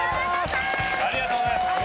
ありがとうございます。